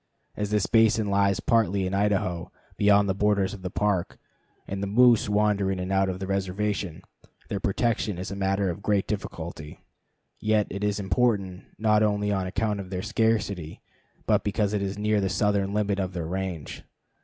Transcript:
As this basin lies partly in Idaho, beyond the borders of the Park, and the moose wander in and out of the reservation, their protection is a matter of great difficulty; yet it is important, not only on account of their scarcity, but because it is near the southern limit of their range.